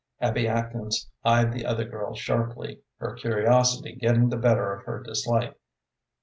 Abby Atkins eyed the other girl sharply, her curiosity getting the better of her dislike.